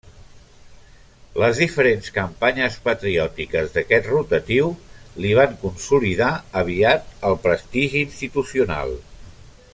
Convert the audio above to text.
Les diferents campanyes patriòtiques d'aquest rotatiu li van consolidar aviat el prestigi institucional.